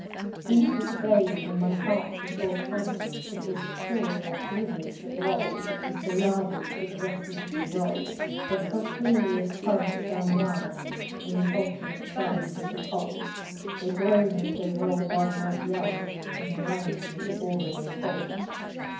These were days when my heart was volcanic As the scoriac rivers that roll As the lavas that restlessly roll Their sulphurous currents down Yaanek In the ultimate climes of the pole That groan as they roll down Mount Yaanek In the realms of the boreal pole.